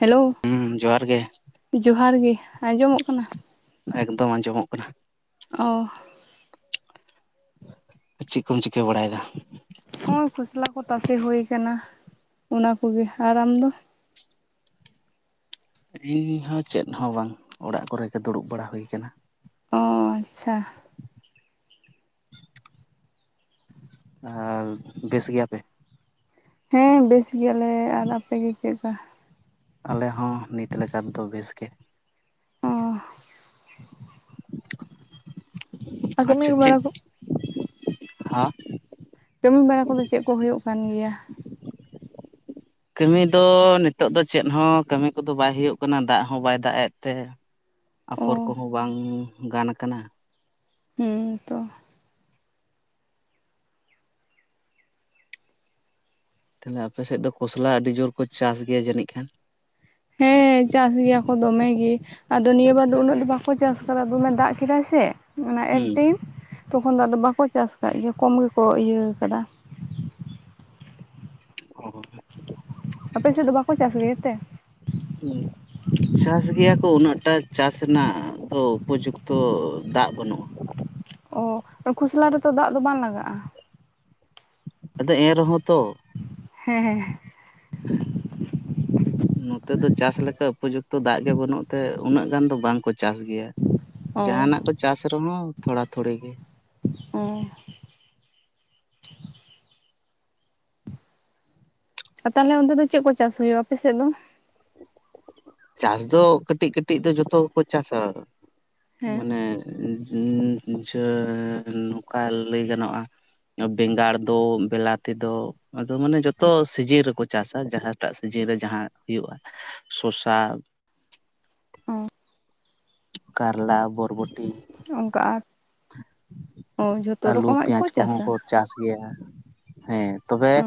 Hello ᱦᱩᱸ ᱡᱚᱦᱟᱨ ᱜᱮ ᱡᱚᱦᱟᱨ ᱜᱮ ᱟᱸᱡᱚᱢᱚᱜ ᱠᱟᱱᱟ? ᱮᱠᱫᱚᱢ ᱟᱸᱡᱚᱢᱚᱜ ᱠᱟᱱᱟ᱾ ᱚᱻ ᱪᱮᱫ ᱠᱚᱢ ᱪᱤᱠᱟᱹ ᱵᱟᱲᱟᱭᱮᱫᱟ? ᱦᱚᱸᱜᱚᱭ ᱠᱷᱚᱥᱞᱟ ᱠᱚ ᱛᱟᱥᱮ ᱦᱩᱭ ᱠᱟᱱᱟ ᱚᱱᱟᱠᱜᱮ ᱟᱨ ᱟᱢᱫᱚ? ᱤᱧᱦᱚ ᱪᱮᱫ ᱦᱚᱸ ᱵᱟᱝ ᱚᱲᱟᱜ ᱠᱚᱨᱮ ᱜᱮ ᱫᱩᱲᱩᱵ ᱵᱟᱲᱟ ᱦᱩᱭᱩ ᱟᱠᱟᱱᱟ᱾ ᱚᱻ ᱟᱪᱪᱷᱟ᱾ ᱦᱚ ᱵᱮᱥ ᱜᱮᱭᱟᱯᱮ? ᱦᱮᱸ ᱵᱮᱥ ᱜᱮᱭᱟᱞᱮ ᱟᱨ ᱟᱯᱮ ᱜᱮ ᱪᱮᱫᱠᱟ? ᱟᱞᱮ ᱦᱚᱸ ᱱᱤᱛ ᱞᱮᱠᱟ ᱛᱮᱫᱚ ᱵᱮᱥ ᱜᱮ ᱾ ᱚᱻ ᱟᱨ ᱠᱟᱹᱢᱤ ᱟᱪᱪᱷᱟ ᱵᱟᱲᱟ ᱪᱮᱫ ᱠᱚ ᱦᱟᱸ? ᱠᱟᱹᱢᱤ ᱵᱟᱲᱟ ᱠᱚᱫᱚ ᱪᱮᱫ ᱠᱚ ᱦᱳᱭᱳᱜ ᱠᱟᱱ ᱜᱮᱭᱟ? ᱠᱟᱹᱢᱤ ᱫᱚ ᱱᱤᱛᱚᱜ ᱫᱚ ᱪᱮᱫ ᱦᱚᱸ ᱠᱟᱹᱢᱤ ᱠᱚᱫᱚ ᱵᱟᱭ ᱦᱳᱭᱳᱜ ᱠᱟᱱᱟ ᱫᱟᱜ ᱦᱚᱸ ᱵᱟᱭ ᱫᱟᱜ ᱮᱫ ᱛᱮ ᱾ ᱚ ᱟᱯᱷᱚᱨ ᱠᱚᱦᱚᱸ ᱵᱟᱝ ᱜᱟᱱ ᱠᱟᱱᱟ ᱾ ᱦᱩᱸᱻ ᱛᱚ ᱛᱟᱦᱮᱞᱮ ᱟᱯᱮᱥᱮᱫ ᱫᱚ ᱠᱷᱚᱥᱞᱟ ᱟᱹᱰᱤ ᱡᱳᱨ ᱠᱚ ᱪᱟᱥ ᱜᱮᱭᱟ ᱡᱟᱹᱱᱤᱡ ᱠᱷᱟᱱ? ᱦᱮᱸᱻ ᱪᱟᱥ ᱜᱮᱭᱟ ᱠᱚ ᱫᱚᱢᱮ ᱜᱮ ᱾ ᱟᱫᱚ ᱱᱤᱭᱟᱹ ᱵᱟᱨ ᱫᱚ ᱩᱱᱟᱹᱜ ᱫᱚ ᱵᱟᱠᱚ ᱪᱟᱥ ᱠᱟᱫᱟ, ᱫᱚᱢᱮ ᱫᱟᱜ ᱠᱮᱫᱟᱭ ᱥᱮ ᱚᱱᱟ ᱦᱩᱸ ᱮᱴᱤᱱ ᱛᱚᱠᱷᱚᱱ ᱫᱚ ᱟᱫᱚ ᱵᱟᱠᱚ ᱪᱟᱥ ᱠᱟᱜ ᱜᱮᱭᱟ ᱾ ᱠᱚᱢ ᱜᱮᱠᱚ ᱤᱭᱟᱹ ᱠᱟᱫᱟ ᱾ [inaudible] ᱟᱯᱮ ᱥᱮᱫ ᱫᱚ ᱵᱟᱠᱚ ᱪᱟᱥ ᱜᱮ ᱛᱮ? [unintelligible] ᱪᱟᱥ ᱜᱮᱭᱟ ᱠᱚ ᱩᱱᱟᱹᱜ ᱴᱟ ᱪᱟᱥ ᱨᱮᱱᱟᱜ ᱫᱚ ᱩᱯᱚᱡᱩᱠᱛᱚ ᱫᱟᱜ ᱵᱟᱹᱱᱩᱜᱼᱟ ᱾ ᱚᱻ ᱾ ᱠᱷᱚᱥᱞᱟ ᱨᱮᱛᱚ ᱫᱟᱜ ᱫᱚ ᱵᱟᱝ ᱞᱟᱜᱟᱜᱼᱟ ᱾ ᱟᱫᱚ ᱮᱱᱨᱮᱦᱚᱸ ᱛᱚ ᱾ ᱦᱮᱸ ᱦᱮᱸᱻ [inaudible] ᱱᱚᱛᱮ ᱫᱚ ᱪᱟᱥ ᱞᱮᱠᱟ ᱩᱯᱚᱡᱩᱠᱛᱚ ᱫᱟᱜ ᱜᱮ ᱵᱟᱹᱱᱩᱜ ᱛᱮ ᱩᱱᱟᱹᱜ ᱜᱟᱱ ᱫᱚ ᱵᱟᱝᱠᱚ ᱪᱟᱥ ᱜᱮᱭᱟ ᱾ ᱚ ᱡᱟᱦᱟᱱᱟᱜ ᱠᱚ ᱪᱟᱥ ᱨᱮᱦᱚᱸ ᱛᱷᱚᱲᱟ ᱛᱷᱩᱲᱤ ᱜᱮ ᱾ ᱚᱻ ᱟᱨ ᱛᱟᱦᱚᱞᱮ ᱚᱱᱛᱮ ᱫᱚ ᱪᱮᱫ ᱠᱚ ᱪᱟᱥ ᱦᱩᱭᱩᱜᱼᱟ ᱟᱯᱮᱥᱮᱫ ᱫᱚ? ᱪᱟᱥ ᱫᱚ ᱠᱟᱹᱴᱤᱡ ᱠᱟᱹᱴᱤᱡ ᱫᱚ ᱡᱷᱚᱛᱚ ᱜᱮᱠᱚ ᱪᱟᱥᱟ ᱾ ᱦᱮᱸ ᱢᱟᱱᱮ [unintelligible] ᱱᱚᱝᱠᱟ ᱞᱮᱭ ᱜᱟᱱᱚᱜᱼᱟ ᱵᱮᱸᱜᱟᱲ ᱫᱚ, ᱵᱮᱞᱟᱛᱤ ᱫᱚ ᱟᱫᱚ ᱢᱟᱱᱮ ᱡᱚᱛᱚ ᱥᱤᱡᱤᱸᱱ ᱨᱮᱠᱚ ᱪᱟᱥᱟ ᱾ ᱡᱟᱦᱟᱸᱴᱟᱜ ᱥᱤᱡᱤᱱ ᱨᱮ ᱡᱟᱦᱟᱸ ᱦᱩᱭᱩᱜᱼᱟ ᱾ ᱥᱚᱥ [unintelligible] ᱚ ᱻ ᱠᱟᱨᱞᱟ, ᱵᱚᱨᱵᱚᱴᱤ ᱚᱱᱠᱟ ᱟᱨ, ᱚᱻ ᱡᱚᱛᱚ ᱟᱹᱞᱩ ᱨᱚᱠᱚᱢᱟᱜ ᱠᱚ ᱯᱮᱸᱭᱟᱡᱽ ᱠᱚᱦᱚᱸ ᱪᱟᱥᱟ ᱾ ᱪᱟᱥ ᱜᱮᱭᱟ ᱾ ᱦᱮᱸᱻ ᱛᱚᱵᱮ ᱚ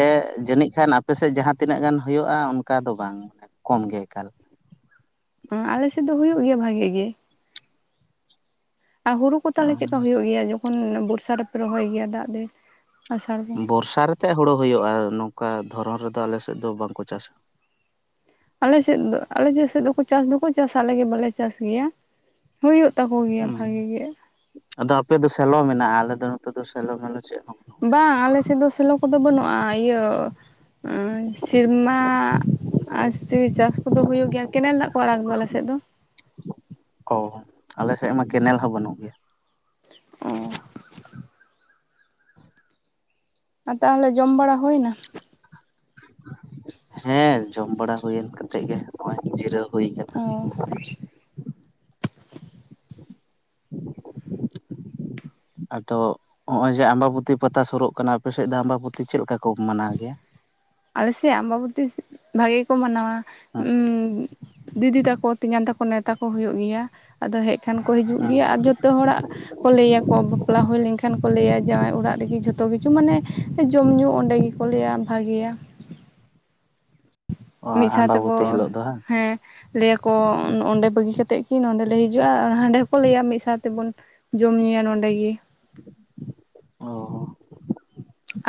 ᱮᱻ ᱡᱟᱹᱱᱤᱡ ᱠᱷᱟᱱ ᱟᱯᱮᱥᱮᱫ ᱡᱟᱦᱟᱸ ᱛᱤᱱᱟᱹᱜ ᱜᱟᱱ ᱦᱩᱭᱩᱜᱼᱟ ᱚᱱᱠᱟ ᱫᱚ ᱵᱟᱝ ᱠᱚᱢ ᱜᱮ ᱮᱠᱟᱞ ᱾ ᱚᱸᱻ ᱟᱞᱮᱥᱮᱫ ᱫᱚ ᱦᱩᱭᱩᱜ ᱜᱮᱭᱟ ᱵᱷᱟᱜᱮ ᱜᱮ ᱾ ᱟᱨ ᱦᱩᱲᱩ ᱠᱚ ᱛᱟᱦᱚᱞᱮ ᱪᱮᱫ ᱞᱮᱠᱟ ᱦᱩᱭᱩᱜ ᱜᱮᱭᱟ ᱡᱚᱠᱷᱚᱱ ᱵᱚᱨᱥᱟ ᱨᱮᱯᱮ ᱨᱚᱦᱚᱭ ᱜᱮᱭᱟ ᱫᱟᱜ ᱫᱤᱱ? ᱟᱥᱟᱲ ᱵᱚᱸᱜᱟ ᱵᱚᱨᱥᱟ ᱨᱮᱛᱮᱜ ᱦᱳᱲᱳ ᱦᱳᱭᱳᱜᱼᱟ ᱾ ᱱᱚᱝᱠᱟ ᱫᱷᱚᱨᱚᱱ ᱨᱮᱫᱚ ᱟᱞᱮᱥᱮᱫ ᱫᱚ ᱵᱟᱝᱠᱚ ᱪᱟᱥᱟ ᱾ ᱟᱞᱮ ᱥᱮᱫ ᱫᱚ ᱟᱞᱮ ᱥᱮᱫ ᱥᱮᱫ ᱫᱚ ᱪᱟᱥ ᱫᱚᱠᱚ ᱪᱟᱥᱟ ᱟᱞᱮ ᱜᱮ ᱵᱟᱞᱮ ᱪᱟᱥ ᱜᱮᱭᱟ ᱾ ᱦᱳᱭᱳᱜ ᱛᱟᱠᱚ ᱜᱮᱭᱟ ᱵᱷᱟᱹᱜᱮ ᱦᱩᱸ ᱜᱮ ᱾ ᱟᱫᱚ ᱟᱯᱮ ᱫᱚ ᱥᱮᱞᱚ ᱢᱮᱱᱟᱜᱼᱟ ᱾ ᱟᱞᱮ ᱫᱚ ᱱᱚᱛᱮ ᱫᱚ ᱥᱮᱞᱚ ᱴᱮᱞᱚ ᱪᱮᱫ ᱦᱚᱸ ᱵᱟᱹᱱᱩᱜ ᱾ ᱵᱟᱝ ᱟᱞᱮ ᱥᱮᱫ ᱫᱚ ᱥᱮᱞᱚ ᱠᱚᱫᱚ ᱵᱟᱹᱱᱩᱜᱼᱟ ᱾ ᱤᱭᱟᱹ ᱥᱮᱨᱢᱟ ᱟᱥᱛᱮ ᱪᱟᱥ ᱠᱚᱫᱚ ᱦᱳᱭᱳᱜ ᱜᱮᱭᱟ ᱾ ᱠᱮᱱᱮᱞ ᱫᱟᱜ ᱠᱚ ᱟᱲᱟᱼᱜ ᱫᱚ ᱟᱞᱮ ᱥᱮᱫ ᱫᱚ ᱾ ᱚᱻ ᱾ ᱟᱞᱮᱥᱮᱫ ᱢᱟ ᱠᱮᱱᱮᱞ ᱦᱚᱸ ᱵᱟᱹᱱᱩᱜ ᱜᱮᱭᱟ ᱾ ᱚᱸᱻ ᱟᱨ ᱛᱟᱦᱚᱞᱮ ᱡᱚᱢ ᱵᱟᱲᱟ ᱦᱳᱭᱱᱟ? ᱦᱮᱸᱻ ᱡᱚᱢ ᱵᱟᱲᱟ ᱦᱩᱭᱮᱱ ᱠᱟᱛᱮᱜ ᱜᱮ ᱦᱚᱸᱜᱼᱚᱭ ᱡᱤᱨᱟᱹᱣ ᱦᱩᱭ ᱠᱟᱱᱟ ᱾ ᱚᱸᱻ ᱟᱫᱚ ᱦᱚᱸᱜᱼᱚᱭ ᱡᱮ ᱟᱢᱵᱟᱵᱩᱛᱤ ᱯᱟᱛᱟ ᱥᱳᱨᱳᱜ ᱠᱟᱱᱟ ᱾ ᱟᱯᱮ ᱥᱮᱫ ᱫᱚ ᱟᱢᱵᱟᱵᱩᱛᱤ ᱪᱮᱫ ᱞᱮᱠᱟ ᱠᱚ ᱢᱟᱱᱟᱣ ᱜᱮᱭᱟ ᱜᱮᱭᱟ? ᱟᱞᱮᱥᱮᱫ ᱟᱢᱵᱟᱵᱚᱛᱤ ᱵᱷᱟᱜᱮ ᱜᱮᱠᱚ ᱢᱟᱱᱟᱣᱟ ᱦᱮᱸ ᱾ ᱫᱤᱫᱤ ᱛᱟᱠᱚ, ᱛᱮᱸᱭᱟᱝ ᱛᱟᱠᱚ ᱱᱮᱣᱛᱟ ᱠᱚ ᱦᱤᱭᱳᱜ ᱜᱮᱭᱟ ᱾ ᱟᱫᱚ ᱦᱮᱡ ᱠᱷᱟᱱ ᱠᱚ ᱦᱤᱡᱩᱜ ᱦᱮᱸ ᱜᱮᱭᱟ ᱾ ᱟᱨ ᱡᱷᱚᱛᱚ ᱦᱚᱲᱟᱜ ᱠᱚ ᱞᱟᱹᱭᱟᱠᱚ ᱵᱟᱯᱞᱟ ᱦᱩᱭ ᱞᱮᱱ ᱠᱷᱟᱱ ᱠᱚ ᱞᱟᱹᱭᱟ ᱠᱚ ᱵᱟᱯᱞᱟ ᱦᱳᱭ ᱞᱮᱝᱠᱷᱟᱱ ᱠᱚ ᱞᱟᱹᱭᱟ ᱡᱟᱣᱟᱭ ᱚᱲᱟᱜ ᱨᱮᱜᱮ ᱡᱷᱚᱛᱚ ᱠᱤᱪᱷᱩ ᱢᱟᱱᱮ ᱡᱚᱢ ᱧᱩ ᱚᱸᱰᱮ ᱜᱮ ᱠᱚ ᱞᱟᱹᱭᱟ ᱵᱷᱟᱜᱮᱭᱟ ᱾ ᱚ ᱢᱤᱫ ᱥᱟᱶ ᱛᱮᱠᱚ ᱟᱢᱵᱟᱵᱚᱛᱤ ᱦᱤᱞᱳᱜ ᱫᱚ ᱵᱟᱝ ᱦᱮᱸ ᱾ ᱞᱟᱹᱭᱟᱠᱚ ᱚᱸᱰᱮ ᱵᱟᱹᱜᱤ ᱠᱟᱛᱮᱫ ᱠᱤ ᱱᱚᱸᱰᱮ ᱞᱮ ᱦᱤᱡᱩᱜᱼᱟ, ᱦᱟᱸᱰᱮ ᱦᱚᱸᱠᱚ ᱞᱟᱹᱭᱟ ᱢᱤᱫ ᱥᱟᱶ ᱛᱮᱵᱚᱱ ᱡᱚᱢ ᱧᱩᱸᱭᱟ ᱱᱚᱰᱮ ᱜᱮ ᱾ ᱚᱻ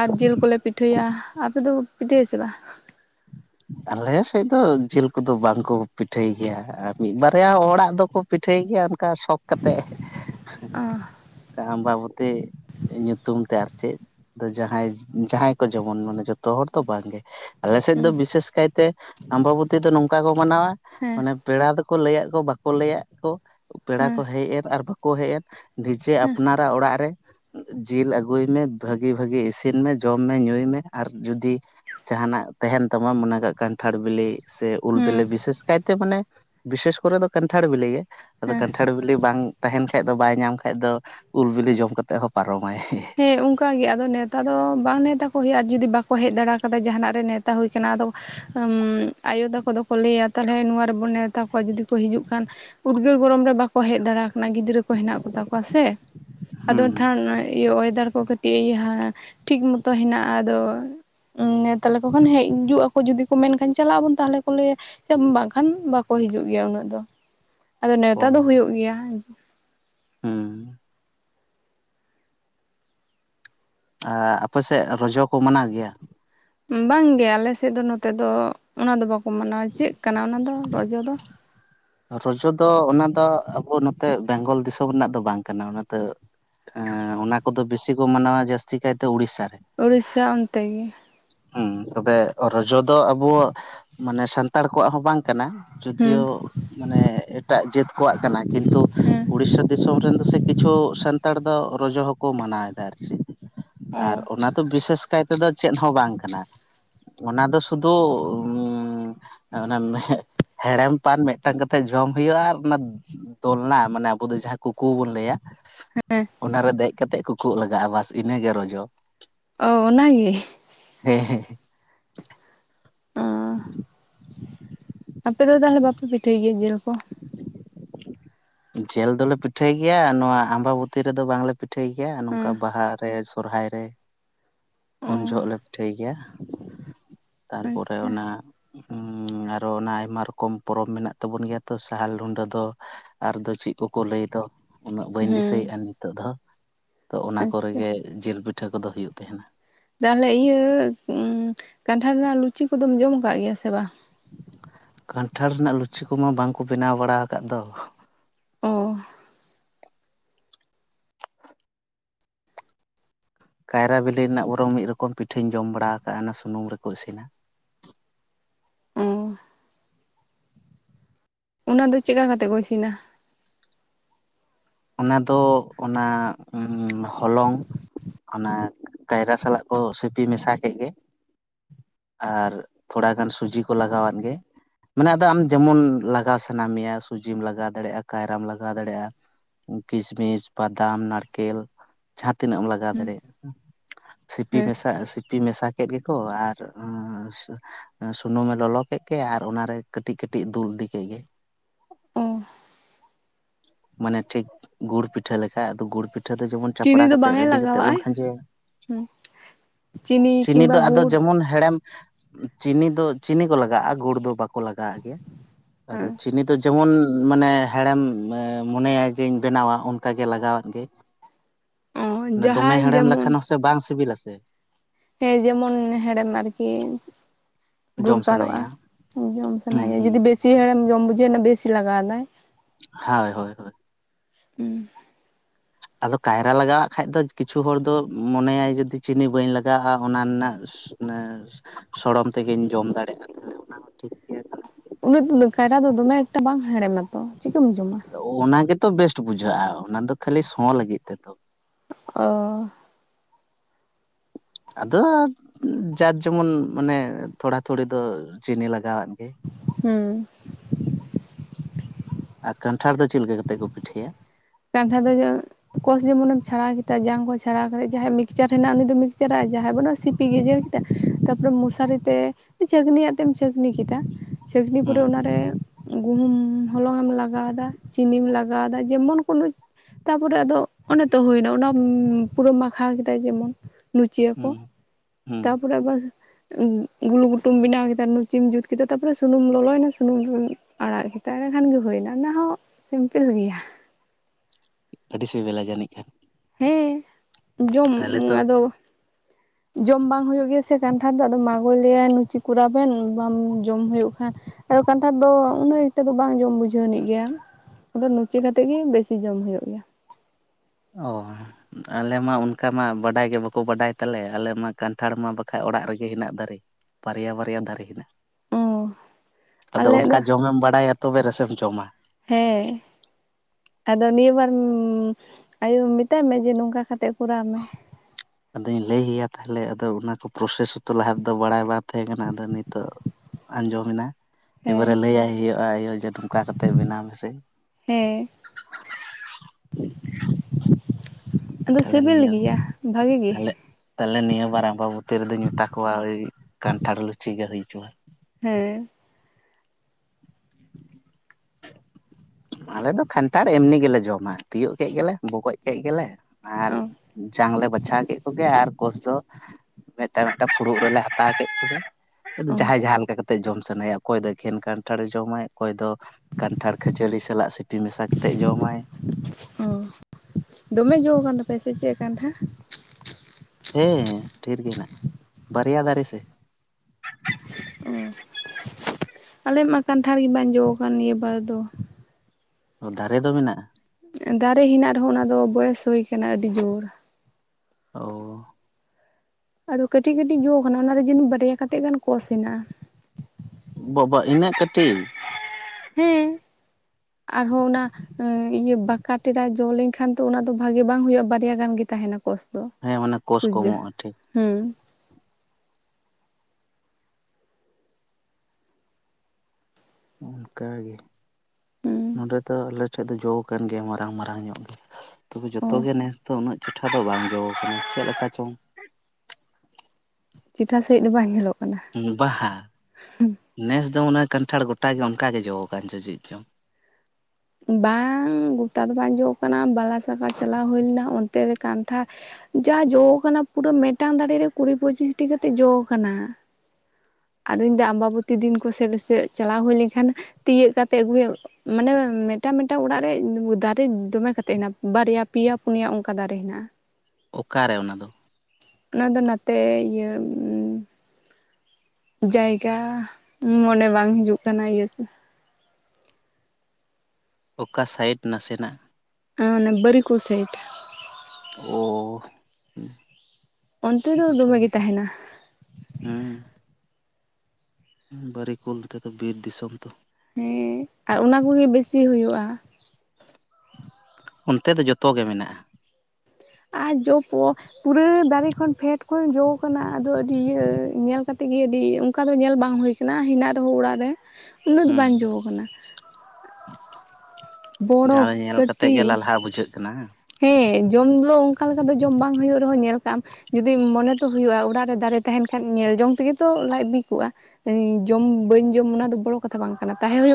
ᱟᱨ ᱡᱤᱞ ᱠᱚᱞᱮ ᱯᱤᱴᱷᱟᱹᱭᱟ, ᱟᱯᱮ ᱫᱚᱯᱮ ᱯᱤᱴᱷᱟᱹᱭᱟᱥᱮ ᱵᱟᱝ? [inaudible] ᱟᱞᱮ ᱥᱮᱫ ᱫᱚ ᱡᱤᱞ ᱠᱚᱫᱚ ᱵᱟᱝᱠᱚ ᱯᱤᱴᱷᱟᱹᱭ ᱜᱮᱭᱟ ᱟᱨ ᱢᱤᱫ ᱵᱟᱨᱭᱟ ᱚᱲᱟᱜ ᱫᱚᱠᱚ ᱯᱤᱴᱷᱟᱹᱭ ᱜᱮᱭᱟ, ᱚᱱ ᱠᱟ ᱥᱚᱠ ᱠᱟᱛᱮ ᱚ ᱟᱢᱵᱟ-ᱵᱚᱛᱤ ᱧᱩᱛᱩᱢ ᱛᱮ ᱟᱨ ᱪᱮᱫ, ᱡᱟᱦᱟᱸᱭ ᱡᱟᱦᱟᱸᱭ ᱠᱚ ᱡᱮᱢᱚᱱ ᱢᱟᱱᱮ ᱡᱚᱛᱚ ᱦᱚᱲ ᱫᱚ ᱵᱟᱝᱜᱮ ᱾ ᱟᱞᱮᱥᱮᱫ ᱫᱚ ᱵᱤᱥᱮᱥ ᱠᱟᱭᱛᱮ ᱟᱢᱵᱟᱚᱵᱚᱛᱤ ᱫᱚ ᱱᱚᱝᱠᱟ ᱠᱚ ᱢᱟᱱᱟᱣᱟ ᱦᱮᱸ ᱢᱟᱱᱮ ᱯᱮᱲᱟ ᱫᱚᱠᱚ ᱞᱟᱹᱭᱟᱫ ᱠᱚ ᱵᱟᱠᱚ ᱞᱟᱹᱭᱟᱜ ᱠᱚ, ᱯᱮᱲᱟ ᱦᱮᱸ ᱠᱚ ᱦᱮᱡ ᱮᱱ ᱟᱨ ᱵᱟᱠᱚ ᱦᱮᱡ ᱮᱱ ᱱᱤᱡᱮ ᱦᱮᱸ ᱟᱯᱱᱟᱨᱟᱜ ᱚᱲᱟᱜ ᱨᱮ ᱡᱤᱞ ᱟᱹᱜᱩᱭ ᱢᱮ ᱵᱷᱟᱹᱜᱤ ᱵᱷᱟᱹᱜᱤ ᱤᱥᱤᱱ ᱢᱮ ᱡᱚᱢ ᱢᱮ ᱧᱩᱭ ᱢᱮ, ᱟᱨ ᱡᱩᱫᱤ ᱡᱟᱦᱟᱱᱟᱜ ᱛᱟᱦᱮᱱ ᱛᱟᱢᱟ ᱢᱚᱱᱮ ᱠᱟᱜ ᱠᱟᱱᱴᱷᱟᱲ ᱵᱮᱞᱮ ᱥᱮ ᱩᱞ ᱦᱮᱸ ᱵᱮᱞᱮ ᱵᱤᱥᱮᱥ ᱠᱟᱭᱛᱮ ᱢᱟᱱᱮ ᱵᱤᱥᱮᱥ ᱠᱚᱨᱮ ᱫᱚ ᱠᱟᱱᱴᱷᱟᱲ ᱵᱮᱞᱮ ᱜᱮ, ᱟᱫᱚ ᱦᱮᱸ ᱠᱟᱱᱴᱷᱟᱲ ᱵᱮ ᱞᱮ ᱵᱟᱝ ᱛᱟᱦᱮᱱ ᱠᱷᱟᱡ ᱫᱚ ᱵᱟᱭ ᱧᱟᱢ ᱠᱷᱟᱡ ᱫᱚ ᱩᱞ ᱵᱤᱞᱤ ᱡᱚᱢ ᱠᱟᱛᱮ ᱦᱚᱸ ᱯᱟᱨᱚᱢᱟᱭ᱾ ᱦᱮᱸ ᱚᱝᱠᱟ ᱜᱮ ᱟᱫᱚ ᱱᱮᱣᱛᱟ ᱫᱚ ᱵᱟᱝ ᱱᱮᱣᱛᱟ ᱠᱚ ᱦᱩᱭᱩᱜᱼᱟ, ᱟᱨ ᱡᱩᱫᱤ ᱵᱟᱠᱚ ᱦᱮᱡ ᱫᱟᱲᱮ ᱠᱟᱫᱟ ᱡᱟᱦᱟᱱᱟᱜ ᱨᱮ ᱱᱮᱛᱟ ᱦᱩᱭ ᱟᱠᱟᱱᱟ ᱟᱫᱚ ᱟᱸᱢ ᱟᱭᱳ ᱛᱟᱠᱚ ᱫᱚᱠᱚ ᱞᱟᱹᱭᱟ ᱛᱟᱞᱦᱮ ᱱᱚᱣᱟ ᱨᱮᱵᱚᱱ ᱱᱮᱣᱛᱟ ᱠᱚᱣᱟ ᱡᱩᱫᱤ ᱠᱚ ᱦᱤᱡᱩᱜ ᱠᱷᱟᱱ ᱾ ᱩᱫᱽᱜᱟᱹᱨ ᱜᱚᱨᱚᱢ ᱨᱮ ᱵᱟᱠᱚ ᱦᱮᱡ ᱫᱟᱲᱮ ᱠᱟᱱᱟ ᱜᱤᱫᱽᱨᱟᱹ ᱠᱚ ᱦᱮᱱᱟᱜ ᱠᱚᱛᱟ ᱠᱚᱣᱟ ᱥᱮ, ᱟᱫᱚ ᱦᱩᱸ ᱴᱷᱟᱱ ᱤᱭᱟᱹ ᱚᱭᱮᱫᱟᱨ ᱠᱚ ᱠᱟᱹᱴᱤᱡ ᱦᱟ ᱴᱷᱤᱠ ᱢᱚᱛᱚ ᱦᱮᱱᱟᱜᱼᱟ, ᱟᱫᱚ ᱱᱮᱣᱛᱟ ᱞᱮᱠᱚ ᱠᱷᱟᱱ ᱦᱮᱡ ᱡᱩᱜ ᱟᱠᱚ ᱡᱩᱫᱤ ᱠᱚ ᱢᱮᱱᱠᱷᱟᱱ ᱪᱟᱞᱟᱜ ᱟᱵᱚᱱ ᱛᱟᱦᱚᱞᱮ ᱠᱚ ᱞᱟᱹᱭᱟ ᱵᱟᱝᱠᱷᱟᱱ ᱵᱟᱠᱚ ᱦᱤᱡᱩᱜ ᱜᱮᱭᱟ ᱩᱱᱟᱹᱜ ᱫᱚ, ᱟᱫᱚ ᱱᱮᱣᱛᱟ ᱫᱚ ᱦᱩᱭᱩᱜ ᱜᱮᱭᱟ ᱾ ᱦᱮᱸ ᱾ ᱟᱻ ᱟᱯᱮᱥᱮᱜ ᱨᱚᱡᱚ ᱠᱚ ᱢᱟᱱᱟᱣ ᱜᱮᱭᱟ? ᱵᱟᱝ ᱜᱮ ᱟᱞᱮ ᱥᱮᱫ ᱫᱚ ᱱᱚᱛᱮ ᱫᱚ ᱚᱱᱟ ᱫᱚ ᱵᱟᱠᱚ ᱢᱟᱱᱟᱣᱟ, ᱪᱮᱫ ᱠᱟᱱᱟ ᱚᱱᱟ ᱫᱚ ᱨᱚᱡᱚ ᱫᱚ? ᱨᱚᱡᱚ ᱫᱚ ᱚᱱᱟ ᱫᱚ ᱟᱵᱚ ᱱᱚᱛᱮ ᱵᱮᱝᱜᱚᱞ ᱫᱤᱥᱚᱢ ᱨᱮᱱᱟᱜ ᱫᱚ ᱵᱟᱝ ᱠᱟᱱᱟ, ᱚᱱᱟᱛᱚ ᱮᱸᱻ ᱚᱱᱟ ᱠᱚᱫᱚ ᱵᱮᱥᱤ ᱠᱚ ᱢᱟᱱᱟᱣᱟ ᱡᱟᱹᱥᱛᱤ ᱠᱟᱭᱛᱮ ᱩᱲᱤᱥᱥᱟ ᱨᱮ᱾ ᱳᱲᱤᱥᱟ ᱚᱱᱛᱮ ᱜᱮ! ᱦᱮᱸ, ᱛᱚᱵᱮ ᱨᱚᱡᱚ ᱫᱚ ᱟᱵᱚ ᱢᱟᱱᱮ ᱥᱟᱱᱛᱟᱲ ᱠᱚᱣᱟᱜ ᱦᱚᱸ ᱵᱟᱝ ᱠᱟᱱᱟ, ᱡᱫᱤᱭᱳ ᱦᱩᱸ ᱢᱟᱱᱮ ᱮᱴᱟᱜ ᱡᱟᱹᱛ ᱠᱚᱣᱟᱜ ᱠᱟᱱᱟ, ᱠᱤᱱᱛᱩ ᱦᱮᱸ ᱩᱲᱤᱥᱥᱟ ᱫᱤᱥᱚᱢ ᱨᱮᱱ ᱫᱚ ᱥᱮ ᱠᱤᱪᱷᱩ ᱥᱟᱱᱛᱟᱲ ᱫᱚ ᱨᱚᱡᱚ ᱦᱚᱸᱠᱚ ᱢᱟᱱᱟᱣᱮᱫᱟ ᱟᱨ ᱪᱮᱫ ᱾ ᱟᱨ ᱚ ᱚᱱᱟ ᱫᱚ ᱵᱤᱥᱮᱥ ᱠᱟᱭ ᱛᱮᱫᱚ ᱪᱮᱫ ᱦᱚᱸ ᱵᱟᱝ ᱠᱟᱱᱟ ᱾ ᱚᱱᱟ ᱫᱚ ᱥᱩᱫᱩ ᱩᱸᱻ ᱚᱱᱟ ᱦᱮᱲᱮᱢ ᱯᱟᱱ ᱢᱮᱫᱴᱟᱝ ᱠᱟᱛᱮᱜ ᱡᱚᱢ ᱦᱩᱭᱩᱜᱼᱟ, ᱟᱨ ᱚᱱᱟ ᱫᱚᱞᱱᱟ ᱢᱟᱱᱮ ᱟᱵᱚ ᱫᱚ ᱡᱟᱦᱟᱸ ᱠᱩᱠᱩ ᱵᱚᱱ ᱞᱟᱹᱭᱟ, ᱦᱮᱸ ᱚᱱᱟ ᱨᱮ ᱫᱮᱡ ᱠᱟᱛᱮᱜ ᱠᱩᱠᱩᱜ ᱞᱟᱜᱟᱜᱼᱟ ᱵᱟᱥ ᱤᱱᱟᱹᱜᱮ ᱨᱚᱡᱚ ᱾ ᱚ, ᱚᱱᱟᱜᱮ ᱾ ᱦᱮᱸ ᱦᱮᱸ ᱾ ᱚ [inaudible] ᱟᱯᱮ ᱫᱚ ᱛᱟᱦᱚᱞᱮ ᱵᱟᱯᱮ ᱯᱤ [unintelligible] ᱫᱤᱱ ᱠᱚᱼᱼ ᱡᱮᱞ ᱫᱚᱞᱮ ᱯᱤᱴᱷᱟᱹᱭ ᱜᱮᱭᱟ ᱱᱚᱣᱟ ᱟᱢᱵᱟᱵᱛᱤ ᱨᱮᱫᱚ ᱵᱟᱝᱞᱮ ᱯᱤᱴᱷᱟᱹᱭ ᱜᱮᱭᱟ, ᱱᱚᱝᱠᱟ ᱦᱮᱸ ᱵᱟᱦᱟ ᱨᱮ ᱥᱚᱦᱚᱨᱟᱭ ᱨᱮ ᱾ ᱚ ᱩᱱ ᱡᱚᱦᱚᱜ ᱞᱮ ᱯᱤᱴᱷᱟᱹᱭ ᱜᱮᱭᱟ, ᱛᱟᱨᱯᱚᱨᱮ ᱟᱪᱪᱷᱟ ᱚᱱᱟ ᱩᱸᱻ ᱟᱨᱚ ᱚᱱᱟ ᱟᱭᱢᱟ ᱨᱚᱠᱚᱢ ᱯᱚᱨᱚᱵᱽ ᱢᱮᱱᱟᱜ ᱛᱟᱵᱚᱱ ᱜᱮᱭᱟ ᱛᱚ ᱥᱟᱦᱟᱞ ᱞᱩᱰᱟᱹ ᱫᱚ ᱾ ᱟᱨᱫᱚ ᱪᱮᱫ ᱠᱚᱠᱚ ᱞᱟᱹᱭ ᱫᱚ, ᱩᱱᱟᱹᱜ ᱵᱟᱹᱧ ᱦᱮᱸ ᱫᱤᱥᱟᱹᱭᱮᱫᱼᱟ, ᱱᱤᱛᱚᱜ ᱫᱚ, ᱛᱚ ᱚᱱᱟ ᱠᱚᱨᱮ ᱟᱪᱪᱷᱟ ᱜᱮ, -ᱼ ᱡᱤᱞ ᱯᱤᱴᱷᱟᱹ ᱠᱚᱫᱚ, ᱦᱩᱭᱩᱜ ᱛᱟᱦᱮᱱᱟ, ᱛᱟᱦᱚᱞᱮ ᱤᱭᱟᱹ, ᱠᱟᱱᱴᱷᱟᱲ ᱨᱮᱱᱟᱜ, ᱞᱩᱪᱤ ᱠᱚᱫᱚᱢ ᱡᱚᱢ, ᱟᱠᱟᱫ ᱜᱮᱭᱟ ᱥᱮ, ᱵᱟᱝ,? ᱠᱟᱱᱴᱷᱟᱲ ᱨᱮᱱᱟᱜ, ᱞᱩᱪᱤ ᱠᱚᱢᱟ, ᱵᱟᱝ ᱠᱚ, ᱵᱮᱱᱟᱣ ᱵᱟᱲᱟ ᱟᱠᱟᱫ ᱫᱚ ᱚᱻ ᱾ ᱠᱟᱭᱨᱟ ᱵᱤᱞᱤ ᱨᱮᱱᱟᱜ ᱵᱚᱨᱚᱝ ᱢᱤᱜ ᱨᱚᱠᱚᱢ ᱯᱤᱴᱷᱟᱹᱧ ᱡᱚᱢ ᱵᱟᱲᱟ ᱣᱟᱠᱟᱜᱼᱟ, ᱟᱱᱟ ᱥᱩᱱᱩᱢ ᱨᱮᱠᱚ ᱤᱥᱤᱱᱟ, ᱚ ᱚᱱᱟ ᱫᱚ ᱪᱮᱠᱟ ᱠᱟᱛᱮ ᱠᱚ ᱤᱥᱤᱱᱟ? ᱚᱱᱟ ᱫᱚ ᱚᱱᱟ ᱩᱸ ᱪᱚᱜ ᱦᱚᱞᱚᱝ, ᱚᱱᱟ ᱠᱟᱭᱨᱟ ᱥᱟᱞᱟᱜ ᱠᱚ ᱥᱤᱯᱤ ᱢᱮᱥᱟ ᱠᱮᱜ ᱜᱮ, ᱟᱨ ᱛᱷᱳᱲᱟᱜᱟᱱ ᱥᱩᱡᱤ ᱠᱚ ᱞᱟᱜᱟᱣᱟᱫ ᱜᱮ, ᱢᱟᱱᱮ ᱟᱫᱚ ᱟᱢ ᱡᱮᱢᱚᱱ ᱞᱟᱜᱟᱣ ᱥᱟᱱᱟ ᱢᱮᱭᱟ, ᱥᱩᱡᱤᱢ ᱞᱟᱜᱟᱣ ᱫᱟᱲᱮᱜᱼᱟ, ᱠᱟᱭᱨᱟᱢ ᱞᱟᱜᱟᱣ ᱫᱟᱲᱮᱜᱼᱟ, ᱠᱤᱥᱢᱤᱥ, ᱵᱟᱫᱟᱢ, ᱱᱟᱲᱠᱮᱹᱞ, ᱪᱷᱟ ᱛᱤᱱᱟᱹᱜ ᱮᱢ ᱞᱟᱜᱟᱣ ᱦᱮᱸ ᱫᱟᱲᱮᱜ ᱩᱸ ᱥᱤᱯᱤ, ᱦᱮᱸ ᱢᱮᱥᱟ ᱥᱤᱯᱤ ᱢᱮᱥᱟ ᱠᱮᱜ ᱜᱮᱠᱚ ᱟᱨ ᱩᱸ ᱥᱳ ᱮᱸ ᱥᱩᱱᱩᱢᱮ ᱞᱚᱞᱚ ᱠᱮᱜ ᱜᱮ ᱟᱨ ᱚᱱᱟᱨᱮ ᱠᱟᱹᱴᱤᱡ-ᱠᱟᱹᱴᱤᱡ ᱫᱩᱞ ᱫᱤ ᱠᱮᱜ ᱜᱮ᱾ ᱚ ᱢᱟᱱᱮ ᱴᱷᱤᱠ ᱜᱩᱲ ᱯᱤᱴᱷᱟᱹ ᱞᱮᱠᱟ, ᱟᱫᱚ ᱜᱩᱲ ᱯᱤᱴᱷᱟᱹ ᱫᱚ ᱡᱮᱢᱚᱱ ᱪᱟᱯᱲᱟ ᱪᱤᱱᱤ ᱫᱚ ᱠᱟᱛᱮ ᱵᱟᱝ ᱮ ᱨᱮᱰᱤ ᱠᱟᱛᱮ ᱵᱚᱱ ᱞᱟᱜᱟᱣᱟᱜᱼᱟᱭ ᱠᱷᱟᱸᱡᱮᱭᱟ᱾ ᱪᱤᱱᱤ ᱠᱤᱝᱵᱟ ᱫᱚ ᱟᱫᱚ ᱜᱩᱲ ᱡᱮᱢᱚᱱ ᱦᱮᱲᱮᱢ ᱩᱸ ᱪᱤᱱᱤ ᱫᱚ, ᱪᱤᱱᱤ ᱠᱚ ᱞᱟᱜᱟᱜᱼᱟ, ᱜᱩᱲ ᱫᱚ ᱵᱟᱠᱚ ᱞᱟᱜᱟ ᱟᱜ ᱜᱮᱭᱟ᱾ ᱟᱫᱚ ᱦᱮᱸ ᱪᱤᱱᱤ ᱛᱚ ᱡᱮᱢᱚᱱ ᱢᱟᱱᱮ ᱦᱮᱲᱮᱢ ᱮᱸ ᱢᱚᱱᱮᱭᱟ ᱡᱮᱹᱧ, ᱵᱮᱱᱟᱣᱟ ᱚᱱᱠᱟᱜᱮ ᱞᱟᱜᱟᱣᱟᱫ ᱜᱮ᱾ ᱚ ᱱᱟᱹ ᱫᱚᱢᱮ ᱡᱟᱦᱟᱸᱭ ᱦᱮᱲᱮᱢ ᱡᱮᱢᱚᱱ ᱞᱮᱠᱷᱟᱱ ᱦᱚᱸ ᱥᱮ ᱵᱟᱝ ᱥᱤᱵᱤᱞᱟ ᱥᱮ, ᱦᱮᱸ, ᱡᱮᱢᱚᱱ ᱦᱮᱲᱮᱢ ᱟᱨᱠᱤ ᱡᱚᱢ ᱫᱚᱨᱠᱟᱨᱚᱜᱼᱟ᱾ ᱥᱟᱱᱟᱭᱮᱭᱟ ᱡᱚᱢ ᱦᱩᱸ ᱥᱟᱱᱟᱭᱮᱭᱟ, ᱦᱩᱸ ᱡᱩᱫᱤ ᱵᱮᱥᱤ ᱦᱚᱲᱮᱢ ᱡᱚᱢ ᱵᱩᱡᱷᱟᱹᱣᱱᱟ ᱵᱮᱥᱤ ᱞᱟᱜᱟᱣ ᱫᱟᱭ, ᱦᱟᱣᱳᱭ ᱦᱳᱭ ᱦᱳᱭ, ᱦᱩᱸ, ᱟᱫᱚ ᱠᱟᱭᱨᱟ ᱞᱟᱜᱟᱣᱟᱜ ᱠᱷᱟᱡ ᱫᱚ, ᱠᱤᱪᱷᱩ ᱦᱚᱲ ᱫᱚ ᱢᱚᱱᱮᱭᱟᱭ ᱡᱩᱫᱤ ᱪᱤᱱᱤ ᱵᱟᱹᱧ ᱞᱟᱜᱟᱣᱼᱟ, ᱚᱱᱟᱱ ᱱᱟᱜ ᱩᱥ ᱱᱮ ᱥᱚᱲᱚᱢ ᱛᱮᱹᱜᱮᱹᱧ ᱡᱚᱢ ᱫᱟᱲᱮᱜᱼᱟ, ᱛᱷᱟᱞᱮ ᱚᱱᱟ ᱦᱚᱸ ᱴᱷᱤᱠ ᱜᱮᱭᱟ᱾ ᱩᱱᱟᱹᱜ ᱛᱩᱱᱟᱹᱜ ᱠᱟᱭᱨᱟ ᱫᱚ ᱫᱚᱢᱮ ᱮᱠᱴᱟ ᱵᱟᱝ ᱦᱮᱲᱮᱢᱟᱛᱚ, ᱪᱤᱠᱟᱹᱢ ᱡᱚᱢᱟ? ᱚᱱᱟ ᱜᱮᱛᱚ ᱵᱮᱥᱴ ᱵᱩᱡᱷᱟᱹᱜᱼᱟ, ᱚᱱᱟ ᱫᱚ ᱠᱷᱟᱹᱞᱤ ᱥᱚᱸ ᱞᱟᱹᱜᱤᱫ ᱛᱮ ᱫᱚ᱾ ᱚ, ᱟᱫᱚᱻ ᱩᱸ ᱡᱟᱡᱽ ᱡᱮᱢᱚᱱ ᱢᱟᱱᱮ ᱛᱷᱚᱲᱟ-ᱛᱷᱩᱲᱤ ᱫᱚ ᱪᱤᱱᱤ ᱞᱟᱜᱟᱣᱟᱫ ᱜᱮ, ᱦᱩᱸ, ᱟ ᱠᱟᱱᱴᱷᱟᱲ ᱫᱚ ᱪᱮᱜᱞᱮᱠᱟ ᱠᱟᱛᱮ ᱠᱚ ᱯᱤᱴᱷᱟᱹᱭᱟ? ᱠᱟᱱᱸᱴᱷᱟ ᱫᱚ ᱡᱚ ᱠᱚᱥ ᱡᱮᱢᱚᱱᱮᱢ ᱪᱷᱟᱲᱟᱣ ᱠᱮᱫᱟ, ᱡᱟᱝ ᱦᱚᱸ ᱪᱷᱟᱲᱟᱣ ᱠᱟᱛᱮᱫ, ᱡᱟᱦᱟᱭ ᱢᱤᱠᱥᱪᱟᱨ ᱦᱮᱱᱟᱜ ᱩᱱᱤ ᱫᱚ ᱢᱤᱠᱪᱟᱨᱟ, ᱡᱟᱦᱟ ᱵᱟᱹᱱᱩᱜ ᱥᱤ- -ᱯᱤ ᱜᱮᱡᱮᱨ ᱠᱟᱛᱮᱜ, ᱛᱟᱯᱚᱨᱮ ᱢᱚᱥᱟᱨᱤ ᱛᱮ ᱪᱷᱟᱹᱠᱱᱤᱭᱟᱜ ᱛᱮᱢ ᱪᱷᱟᱹᱠᱱᱤ ᱠᱮᱫᱟ, ᱪᱷᱟᱹᱠᱱᱤ ᱯᱚᱨᱮ ᱦᱩᱸ ᱚᱱᱟ ᱨᱮ ᱜᱩᱦᱩᱢ ᱦᱚᱞᱚᱝᱮᱢ ᱞᱟᱜᱟᱣᱫᱟ, ᱪᱤᱱᱤᱢ ᱞᱟᱜᱟᱣᱫᱟ, ᱡᱮᱢᱚᱱ ᱠᱩᱱᱩᱡ ᱛᱟᱯᱚᱨᱮ ᱟᱫᱚ ᱚᱱᱮ ᱛᱚ ᱦᱩᱭᱱᱟ, ᱚᱱᱟᱢ ᱯᱩᱨᱟᱹᱢ ᱢᱟᱠᱷᱟᱣ ᱠᱮᱫᱟᱭ ᱡᱮᱢᱚᱱ ᱱᱩᱪᱤᱭᱟᱠᱚ ᱦᱩᱸ ᱦᱩᱸ ᱛᱟᱯᱚᱨᱮ ᱟᱵᱟᱥ ᱩᱸ ᱜᱩᱞᱩ ᱜᱩᱴᱩᱢ ᱵᱮᱱᱟᱣ ᱠᱮᱫᱟ, ᱱᱩᱪᱤᱢ ᱡᱩᱛ ᱠᱮᱫᱟ, ᱛᱟᱯᱚᱨᱮ ᱥᱩᱱᱩᱢ ᱞᱚᱞᱚᱭᱮᱱᱟ, ᱥᱩᱱᱩᱢ ᱮᱸ ᱟᱲᱟᱜ ᱠᱮᱛᱟ ᱛᱟᱨᱮ ᱠᱷᱟᱱ ᱜᱮᱹ ᱦᱩᱭᱱᱟ, ᱚᱱᱟ ᱦᱚ ᱥᱤᱢᱯᱤᱞ ᱜᱮᱭᱟ᱾ ᱟᱰᱤ ᱥᱤᱵᱮᱞᱟ ᱡᱟᱱᱤᱡ ᱠᱷᱟᱱ! ᱦᱮᱸᱻ, ᱡᱚᱢ ᱛᱟᱦᱚᱞᱮ ᱛᱚ ᱟᱫᱚ ᱡᱚᱢ ᱵᱟᱝ ᱦᱩᱭᱩᱜ ᱜᱮᱭᱟ ᱥᱮ ᱠᱟᱱᱴᱷᱟᱫᱽ ᱫᱚ, ᱟᱫᱚ ᱢᱟᱜᱚᱭ ᱞᱟᱹᱭᱟ ᱱᱩᱪᱤ ᱠᱚᱨᱟᱣ ᱯᱮᱱ, ᱵᱟᱢ ᱡᱚᱢ ᱦᱩᱭᱩᱜ ᱠᱷᱟᱱ᱾ ᱟᱫᱚ ᱠᱟᱱᱴᱷᱟᱫᱽ ᱫᱚ ᱩᱱᱟᱹᱜ ᱮᱠᱴᱟ ᱫᱚ ᱵᱟᱝ ᱡᱚᱢ ᱵᱩᱡᱷᱟᱹᱣ ᱱᱤᱡ ᱜᱮᱭᱟ, ᱟᱫᱚ ᱱᱩᱪᱤ ᱠᱟᱛᱮ ᱜᱮ, ᱵᱮᱥᱤ ᱡᱚᱢ ᱦᱩᱭᱩᱜ ᱜᱮᱭᱟ᱾ ᱚ, ᱟᱞᱮ ᱢᱟ ᱚᱱᱠᱟ ᱢᱟ ᱵᱟᱰᱟᱭ ᱜᱮ ᱵᱟᱠᱚ ᱵᱟᱰᱟᱭ ᱛᱟᱞᱮ, ᱟᱞᱮ ᱢᱟ ᱠᱟᱱᱴᱷᱟᱲ ᱢᱟ ᱵᱟᱠᱷᱟᱡ ᱚᱲᱟᱜ ᱨᱮᱜᱮ ᱦᱮᱱᱟᱜ ᱛᱟᱨᱮ᱾ ᱵᱟᱨᱭᱟ ᱵᱟᱨᱭᱟ ᱫᱟᱨᱮ ᱦᱮᱱᱟᱜᱼᱟ, ᱚ ᱟᱫᱚ ᱟᱞᱮᱭᱟᱜ ᱚᱱᱠᱟ ᱫᱚ ᱡᱚᱢᱮᱢ ᱵᱟᱲᱟᱭᱟ ᱛᱚᱵᱮ ᱨᱮᱥᱮᱢ ᱡᱚᱢᱟ! ᱦᱮᱸ, ᱟᱫᱚ ᱱᱤᱭᱟᱹ ᱵᱟᱨ ᱩᱸ ᱟᱭᱳ ᱢᱮᱛᱟᱭ ᱢᱮ ᱡᱮ, ᱱᱚᱝᱠᱟ ᱠᱟᱛᱮ ᱠᱚᱨᱟᱣ ᱢᱮ, ᱟᱫᱚᱹᱧ ᱞᱟᱹᱭ ᱭᱟ ᱛᱷᱟ ᱞᱮ, ᱟᱫᱚ ᱚᱱᱟ ᱠᱚ ᱯᱨᱚᱥᱮᱥ ᱦᱚᱛᱚ ᱞᱟᱦᱟᱫᱽ ᱫᱚ ᱵᱟᱲᱟᱭ ᱵᱟᱝ ᱛᱟᱦᱮ ᱠᱟᱱᱟ, ᱟᱫᱚ ᱱᱤᱛᱚᱜ ᱟᱸᱡᱚᱢᱮᱱᱟ, ᱮᱵᱟᱨᱮ ᱦᱮᱸ ᱞᱟᱹᱭᱟᱭ ᱦᱩᱭᱩᱜᱼᱟ ᱟᱭᱳ ᱡᱮ, ᱱᱚᱝᱠᱟ ᱠᱟᱛᱮ ᱵᱮᱱᱟᱣ ᱢᱮᱥᱮ᱾ ᱦᱮᱸ, [inaudible] ᱟᱫᱚ ᱛᱟᱦᱚᱞᱮ ᱥᱤᱵᱤᱞ ᱱᱤᱭᱟᱹ ᱜᱮᱭᱟ ᱵᱷᱟᱜᱮ ᱜᱮ᱾ ᱟᱞᱮ ᱛᱟᱦᱚᱞᱮ ᱱᱤᱭᱟᱹ ᱵᱟᱨ ᱟᱢᱵᱟᱵᱚᱛᱤ ᱨᱮ ᱫᱚᱧ ᱢᱮᱛᱟ ᱠᱚᱣᱟ ᱳᱭ ᱠᱟᱱᱴᱷᱟᱲ ᱞᱩᱪᱷᱤ ᱜᱮ ᱦᱩᱭᱪᱚ᱾ ᱦᱮᱸ᱾ ᱟᱞᱮ ᱫᱚ ᱠᱷᱟᱱᱴᱟᱲ ᱮᱢᱱᱤ ᱜᱮᱞᱮ ᱡᱚᱢᱟ ᱛᱤᱭᱳᱜ ᱠᱮᱫ ᱜᱮᱞᱮ ᱵᱚᱜᱚᱡ ᱠᱮᱫ ᱜᱮᱞᱮ᱾ ᱟᱨ ᱚ ᱡᱟᱝ ᱞᱮ ᱵᱟᱪᱷᱟᱣ ᱠᱮᱫ ᱠᱚ ᱜᱮ ᱟᱨᱼᱼ ᱠᱳᱥ ᱫᱚ ᱢᱤᱫᱴᱟᱝ ᱢᱤᱫᱴᱟᱝ ᱯᱷᱩᱲᱩᱜ ᱨᱮ ᱞᱮ ᱦᱟᱛᱟᱣ ᱠᱮᱫ ᱠᱚ ᱜᱮ ᱟᱫᱚ ᱚ ᱡᱟᱦᱟᱸᱭ ᱡᱟᱦᱟᱸ ᱞᱮᱠᱟ ᱠᱟᱛᱮᱼᱼ ᱛᱮᱜ ᱡᱚᱢ ᱥᱟᱱᱟᱭᱮᱭᱟ ᱚᱠᱚᱭ ᱫᱚ ᱮᱠᱷᱮᱱ ᱠᱟᱱᱴᱷᱟᱲᱮ ᱡᱚᱢᱟᱭ ᱚᱠᱚᱭ ᱫᱚ ᱠᱟᱱᱴᱷᱟᱲ ᱠᱷᱟᱹᱡᱟᱹᱲᱤ᱾ ᱥᱟᱞᱟᱜ ᱥᱤᱯᱤ ᱢᱮᱥᱟ ᱠᱟᱛᱮᱫ ᱡᱚᱢᱟᱭ᱾ ᱚ ᱫᱚᱢᱮ ᱡᱚ ᱟᱠᱟᱱ ᱛᱟᱯᱮᱭᱟ ᱥᱮ ᱪᱮᱫ ᱠᱟᱱᱴᱷᱟᱲ? ᱦᱮᱸ ᱰᱷᱮᱨ ᱜᱮ ᱦᱮᱱᱟᱜ-ᱟ, ᱵᱟᱨᱭᱟ ᱫᱟᱨᱮ ᱥᱮ। ᱚ ᱟᱞᱮ ᱢᱟ ᱠᱟᱱᱴᱷᱟᱲ ᱜᱮ ᱵᱟᱝ ᱡᱚ ᱟᱠᱟᱱ ᱱᱤᱭᱟᱹ ᱵᱟᱨ ᱫᱚ। ᱚ ᱫᱟᱨᱮ ᱫᱚ ᱢᱮᱱᱟᱜ-ᱟ? ᱫᱟᱨᱮ ᱦᱮᱱᱟᱜ ᱨᱮᱦᱚᱸ ᱚᱱᱟ ᱫᱚ ᱵᱚᱭᱮᱥ ᱦᱩᱭ ᱟᱠᱟᱱᱟ ᱟᱹᱰᱤ ᱡᱳᱨ। ᱚ ᱟᱫᱚ ᱠᱟᱹᱴᱤᱡ ᱠᱟᱹᱴᱤᱡ ᱡᱚ ᱟᱠᱟᱱᱟ ᱚᱱᱟ ᱨᱮ ᱡᱟᱱᱤᱡ ᱵᱟᱨᱭᱟ ᱠᱟᱛᱮᱜ ᱜᱟᱱ ᱠᱚᱥ ᱦᱮᱱᱟᱜ-ᱟ᱾ ᱵᱟ ᱵᱟ ᱤᱱᱟᱹᱜ ᱠᱟᱹᱴᱤᱡ? ᱦᱮᱸ [inaudible] ᱟᱨᱦᱚᱸ ᱚᱱᱟ ᱤᱭᱟᱹ ᱵᱟᱠᱟ ᱴᱮᱨᱟ ᱡᱚ ᱞᱮᱱᱠᱷᱟᱱ ᱫᱚ ᱚᱱᱟ ᱫᱚ ᱵᱷᱟᱜᱤ ᱵᱟᱝ ᱦᱩᱭᱩᱜ-ᱟ ᱵᱟᱨᱭᱟ ᱜᱟᱱ ᱜᱮ ᱛᱟᱦᱮᱸᱱᱟ ᱠᱚᱥ। ᱫᱚ ᱦᱮᱸ ᱢᱟᱱᱮ ᱠᱳᱥ ᱥᱩᱡᱟ ᱠᱚᱢᱚᱜᱼᱟ ᱴᱷᱤᱠ ᱦᱩᱸ᱾ ᱚᱱᱠᱟ ᱜᱮ᱾ ᱦᱮᱸ ᱱᱚᱰᱮ ᱫᱚ ᱟᱞᱮ ᱴᱷᱮᱡ ᱫᱚ ᱡᱚ ᱟᱠᱟᱱ ᱜᱮᱭᱟ ᱢᱟᱨᱟᱝ ᱢᱟᱨᱟᱝ ᱧᱚᱜ ᱜᱮ, ᱛᱚᱵᱮ ᱚ ᱡᱚᱛᱚ ᱜᱮ ᱱᱮᱥᱼᱼ ᱛᱚ ᱩᱱᱟᱹᱜ ᱪᱮᱴᱷᱟ ᱫᱚ ᱵᱟᱝ ᱡᱚ ᱟᱠᱟᱱᱟ ᱪᱮᱫ ᱞᱮᱠᱟ ᱪᱚᱝ᱾ ᱪᱮᱴᱷᱟ ᱥᱟᱺᱦᱤᱡ ᱫᱚ ᱵᱟᱝ ᱧᱮᱞᱚᱜ ᱠᱟᱱᱟ? ᱵᱟᱦ ᱱᱮᱥ ᱫᱚ ᱚᱱᱟ ᱠᱟᱱᱴᱷᱟᱲ ᱜᱚᱴᱟ ᱜᱮ ᱚᱱᱠᱟ ᱜᱮ ᱡᱚ ᱟᱠᱟᱱ ᱪᱚ ᱪᱮᱫ ᱪᱚ। ᱵᱟᱝ ᱜᱚᱴᱟ ᱫᱚ ᱵᱟᱝ ᱡᱚ ᱟᱠᱟᱱᱟ ᱵᱟᱞᱟ ᱥᱟᱠᱟ ᱪᱟᱞᱟᱣ ᱦᱩᱭ ᱞᱮᱱᱟ ᱚᱱᱛᱮ ᱨᱮ ᱠᱟᱱᱴᱷᱟᱲ ᱡᱟ ᱡᱚ ᱟᱠᱟᱱᱟ ᱯᱩᱨᱟᱹ ᱢᱤᱫᱴᱟᱝ ᱫᱟᱨᱮ ᱨᱮ ᱠᱩᱲᱤ ᱯᱚᱸᱪᱤᱥᱴᱤ ᱠᱟᱛᱮᱫ ᱡᱚ ᱟᱠᱟᱱᱟ᱾ ᱟᱫᱚᱧ ᱞᱟᱹᱭ ᱮᱫᱟ ᱟᱢᱵᱟᱵᱚᱛᱤ ᱫᱤᱱ ᱠᱚ ᱥᱮᱫ ᱥᱮᱫ ᱪᱟᱞᱟᱣ ᱦᱩᱭ ᱞᱮᱱᱠᱷᱟᱱᱼᱼ ᱛᱤᱭᱳᱜ ᱠᱟᱛᱮ ᱟᱹᱜᱩᱭᱟ ᱢᱟᱱᱮᱼᱼ ᱢᱤᱫᱴᱟᱝ ᱢᱤᱫᱴᱟᱝ ᱚᱲᱟᱜ ᱨᱮ ᱫᱟᱨᱮ ᱫᱚᱢᱮ ᱠᱟᱛᱮ ᱦᱮᱱᱟᱜ-ᱟ, ᱵᱟᱨᱭᱟ ᱯᱮᱭᱟ ᱯᱩᱱᱭᱟ ᱚᱱᱠᱟ ᱫᱟᱨᱮ ᱦᱮᱱᱟᱜ-ᱟ᱾ ᱚᱠᱟ ᱨᱮ ᱚᱱᱟ ᱫᱚ‍? ᱚᱱᱟ ᱫᱚ ᱱᱟᱛᱮ ᱤᱭᱟᱹ ᱡᱟᱭᱜᱟ ᱢᱚᱱᱮ ᱵᱟᱝ ᱦᱤᱡᱩᱜ ᱠᱟᱱᱟ ᱤᱭᱟᱹ ᱥᱮ ᱚᱠᱟ ᱥᱟᱭᱤᱰ ᱱᱟᱥᱮᱱᱟᱜ? ᱚ ᱚᱱᱮ ᱵᱟᱹᱨᱤᱠᱩᱞ ᱥᱟᱭᱤᱰ᱾ ᱚ ᱦᱩᱸ ᱚᱱᱛᱮ ᱫᱚ ᱵᱩᱡᱷᱟᱹᱣ ᱫᱚᱢᱮ ᱜᱮ ᱠᱮᱫᱟᱹᱧ᱾ ᱛᱟᱦᱮᱱᱟ ᱦᱩᱸ᱾ ᱵᱟᱨᱤᱠᱩᱞ ᱛᱮ ᱫᱚ ᱵᱤᱨ ᱫᱤᱥᱚᱢ ᱛᱚ᱾ ᱦᱮᱸ ᱟᱨ ᱚᱱᱟ ᱠᱚ ᱜᱮ ᱵᱮᱥᱤ ᱦᱩᱭᱩᱜ-ᱟ᱾ ᱚᱱᱛᱮ ᱫᱚ ᱡᱚᱛᱚ ᱜᱮ ᱢᱮᱱᱟᱜ-ᱟ᱾ ᱟᱨ ᱡᱚ ᱯᱚᱼᱼ ᱯᱩᱨᱟᱹ ᱫᱟᱨᱮ ᱠᱷᱚᱱ ᱯᱷᱮᱰ ᱠᱷᱚᱱ ᱡᱚ ᱟᱠᱟᱱᱟ ᱟᱫᱚ ᱟᱹᱰᱤ ᱤᱭᱟᱹ ᱧᱮᱞ ᱠᱟᱛᱮ ᱜᱮ ᱟᱹᱰᱤ ᱤᱭᱟᱹ ᱚᱱᱠᱟ ᱫᱚ ᱧᱮᱞ ᱵᱟᱝ ᱦᱩᱭ ᱟᱠᱟᱼᱼ ᱱᱟ ᱦᱮᱱᱟᱜ ᱦᱮᱱᱟᱜ ᱨᱮᱦᱚᱸ ᱚᱲᱟᱜ ᱨᱮ ᱩᱱᱟᱹᱜ ᱫᱚ ᱦᱮᱸ ᱵᱟᱝ ᱡᱚ ᱟᱠᱟᱱᱟ᱾ ᱵᱚᱲᱚ ᱡᱟᱦᱟᱸ ᱫᱚ ᱧᱮᱞ ᱠᱟᱛᱮᱫ ᱜᱮ ᱠᱟᱹᱴᱤᱡ᱾ ᱞᱟᱞᱦᱟ ᱵᱩᱡᱷᱟᱹᱜ ᱠᱟᱱᱟ ᱦᱮᱸ ᱡᱚᱢ ᱫᱚ ᱚᱱᱠᱟ ᱞᱮᱠᱟ ᱫᱚ ᱡᱚᱢ ᱵᱟᱝ ᱦᱩᱭᱩᱜ ᱨᱮᱦᱚᱸ ᱧᱮᱞ ᱠᱟᱜ ᱟᱢ᱾ ᱡᱩᱫᱤ ᱢᱚᱱᱮ ᱛᱚ ᱦᱩᱭᱩᱜ-ᱟ, ᱚᱲᱟᱜ ᱨᱮ ᱫᱟᱨᱮ ᱛᱟᱦᱮᱸᱱ ᱠᱷᱟᱱ ᱧᱮᱞ ᱡᱚᱝ ᱛᱮᱜᱮ ᱛᱚ ᱞᱟᱡ ᱵᱤ ᱠᱚᱜ-ᱟ᱾ ᱡᱚᱢ ᱵᱟᱹᱧ ᱡᱚᱢ ᱚᱱᱟ ᱫᱚ ᱵᱚᱲᱚ ᱠᱟᱛᱷᱟ ᱵᱟᱝ ᱠᱟᱱᱟ ᱛᱟᱦᱮᱸ ᱦᱩᱭᱩᱜᱼᱼ